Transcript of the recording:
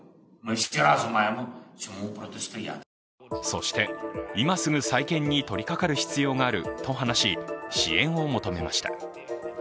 そして、今すぐ再建に取りかかる必要があると話し支援を求めました。